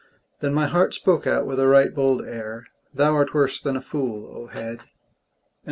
Then my heart spoke out with a right bold air: "Thou art worse than a fool, O head!"